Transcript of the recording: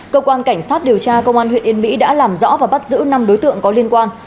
cơ quan cảnh sát điều tra công an huyện yên mỹ đã làm rõ và bắt giữ năm đối tượng có liên quan